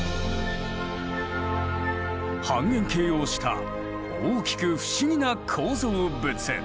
半円形をした大きく不思議な構造物。